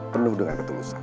penuh dengan ketulusan